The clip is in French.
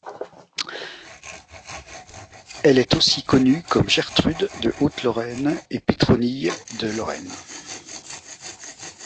Elle est aussi connue comme Gertrude de Haute-Lorraine et Pétronille de Lorraine.